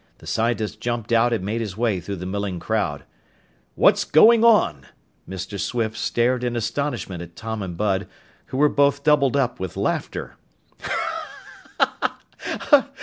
The scientist jumped out and made his way through the milling crowd. "What's going on?" Mr. Swift stared in astonishment at Tom and Bud, who were both doubled up with laughter.